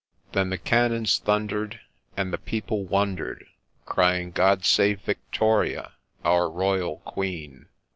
Then the cannons thunder' d, and the people wonder' d, Crying, ' God Save Victoria, our Royal Queen